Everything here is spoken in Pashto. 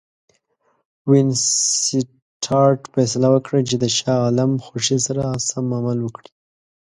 وینسیټارټ فیصله وکړه چې د شاه عالم خوښي سره سم عمل وکړي.